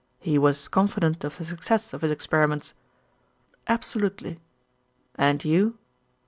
"He was confident of the success of his experiments?" "Absolutely." "And you?"